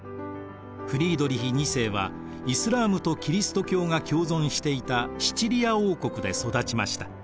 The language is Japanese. フリードリヒ２世はイスラームとキリスト教が共存していたシチリア王国で育ちました。